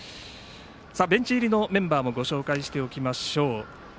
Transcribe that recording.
ベンチ入りのメンバーもご紹介しておきましょう。